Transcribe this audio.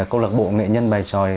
câu lạc bộ nghệ nhân bài tròi